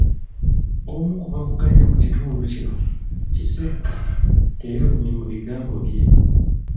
Omu ku bavuganya mu kitundu kino, Kisekka, teyalumye mu bigambo bye.